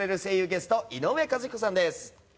ゲスト井上和彦さんです。